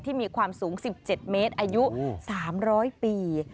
มีความสูง๑๗เมตรอายุ๓๐๐ปี